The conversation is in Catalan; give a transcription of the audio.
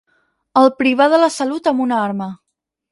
El privà de la salut amb una arma.